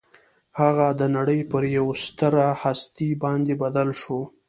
هغه د نړۍ پر یوه ستره هستي باندې بدل شو